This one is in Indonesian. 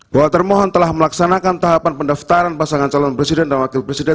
bahwa termohon telah melaksanakan tahapan pendaftaran pasangan calon presiden dan wakil presiden